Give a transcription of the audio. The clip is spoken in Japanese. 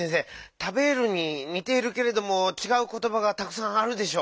「たべる」ににているけれどもちがうことばがたくさんあるでしょ。